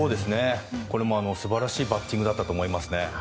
これも素晴らしいバッティングだったと思います。